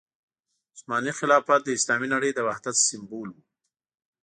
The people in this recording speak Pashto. عثماني خلافت د اسلامي نړۍ د وحدت سمبول وو.